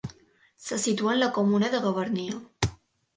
Se situa en la comuna de Gavarnia.